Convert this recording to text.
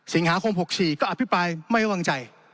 สิงหาคม๖๔ก็อภิปรายไม่วางใจ